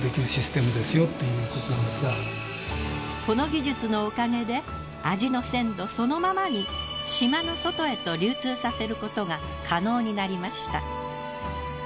この技術のおかげで味の鮮度そのままに島の外へと流通させることが可能になりました。